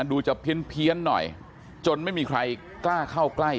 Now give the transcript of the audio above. ดูจะเพี้ยนหน่อยจนไม่มีใครกล้าเข้าใกล้